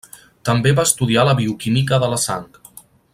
També va estudiar la bioquímica de la sang.